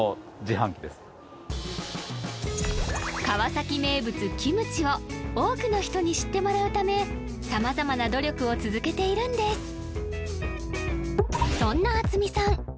川崎名物キムチを多くの人に知ってもらうため様々な努力を続けているんですそんな渥美さん